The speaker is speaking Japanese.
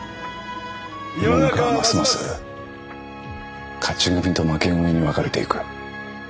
世の中はますます勝ち組と負け組に分かれていく。